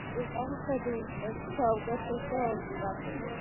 იყო მხედრული წერის საუკეთესო ოსტატი.